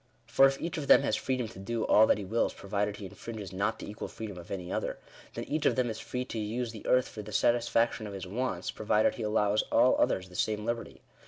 For if each of them " has freedom to do all that he wills provided he infringes not the equal freedom of any other/' then each of them is free to use the earth for the satisfaction of his wants, provided he allows all others the same liberty.